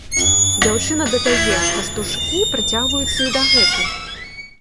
Дзяўчына дадае, што штуршкі працягваюцца і дагэтуль.